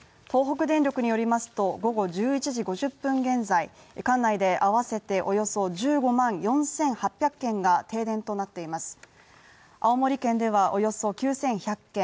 東北電力によりますと、午後１１時５０分現在、管内で合わせておよそ１５万４８００軒が停電となっています。